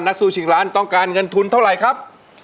สู้ชิงล้านต้องการเงินทุนเท่าไหร่ครับ